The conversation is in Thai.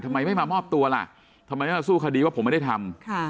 ทำไมไม่มามอบตัวล่ะทำไมไม่มาสู้คดีว่าผมไม่ได้ทำ